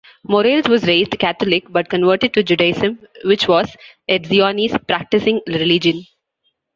Morales was raised Catholic, but converted to Judaism, which was Etzioni's practicing religion.